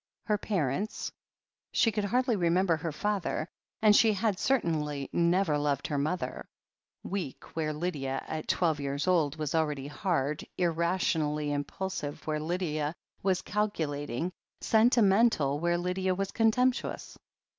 Her parents. She could hardly remember her father, and she had certainly never loved her mother, weak where Lydia, at twelve years old, was already hard, irrationally im pulsive where Lydia was calculating, sentimental where Lydia was contemptuous.